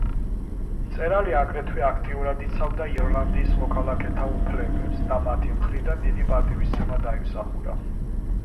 მწერალი აგრეთვე აქტიურად იცავდა ირლანდიის მოქალაქეთა უფლებებს და მათი მხრიდან დიდი პატივისცემა დაიმსახურა.